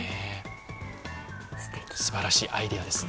すばらしい、アイデアです。